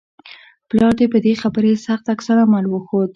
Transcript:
پلار په دې خبرې سخت عکس العمل وښود